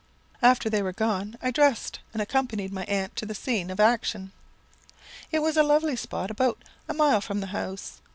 "After they were gone, I dressed and accompanied my aunt to the scene of action. "It was a lovely spot, about a mile from the house.